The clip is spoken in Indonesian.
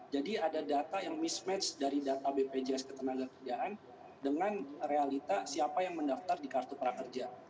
jadi ada data yang mismatch dari data bpjs ketenagakerjaan dengan realita siapa yang mendaftar di kartu prakerja